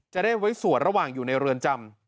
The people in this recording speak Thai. จะได้ไว้สวดระหว่างอยู่ในเรือนจำ